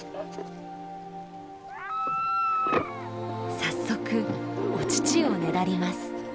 早速お乳をねだります。